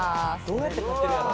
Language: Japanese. どうやって買ってるやろ。